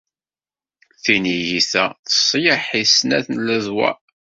Tinigit-a teṣleḥ i snat n ledwaṛ.